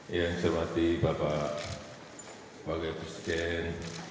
yang saya hormati bapak wakil presiden